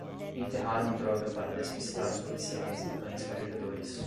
Enterraram a droga para despistar os policiais e cães farejadores